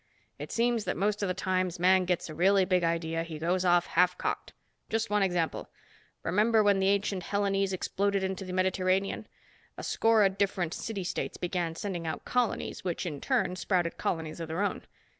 "It seems that most of the times man gets a really big idea, he goes off half cocked. Just one example. Remember when the ancient Hellenes exploded into the Mediterranean? A score of different City States began sending out colonies, which in turn sprouted colonies of their own.